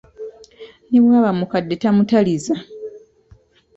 Ne bw’aba mukadde tamutaliza!